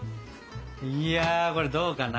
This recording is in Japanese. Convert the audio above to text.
いやこれどうかな。